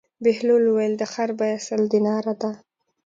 بهلول وویل: د خر بېه سل دیناره ده.